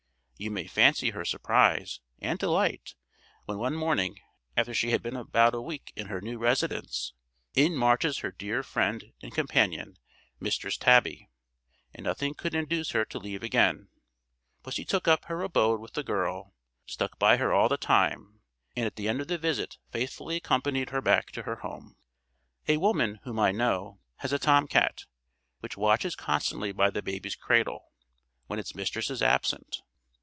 You may fancy her surprise and delight when one morning, after she had been about a week in her new residence, in marches her dear friend and companion Mistress Tabby, and nothing could induce her to leave again. Pussy took up her abode with the girl, stuck by her all the time, and at the end of the visit faithfully accompanied her back to their home." A woman, whom I know, has a tom cat, which watches constantly by the baby's cradle, when its mistress is absent.